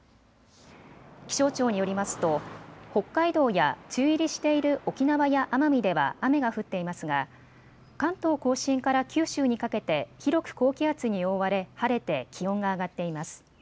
気象庁によりますと北海道や梅雨入りしている沖縄や奄美では雨が降っていますが関東甲信から九州にかけて広く高気圧に覆われ晴れて気温が上がっています。